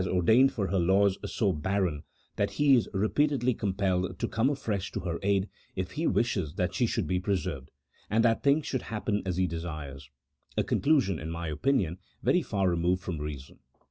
ordained for her laws so barren, that He is repeatedly compelled to come afresh to her aid if He wishes that she should be preserved, and that things should happen as He desires : a conclusion, in my opinion, very far removed from reason.